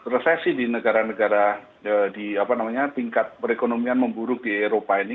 resesi di negara negara di apa namanya tingkat perekonomian memburuk di eropa ini